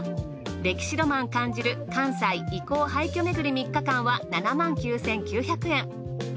歴史ロマン感じる関西遺構廃墟めぐり３日間は７９，９００円。